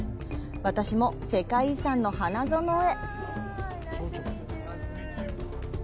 私も、世界遺産の花園へ！